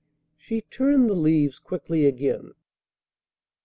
'" She turned the leaves quickly again.